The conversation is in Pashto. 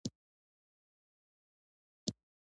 کرنه د ټولنې د پرمختګ لپاره بنسټیزه ده.